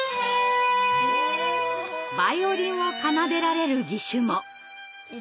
バイオリンを奏でられる義手も！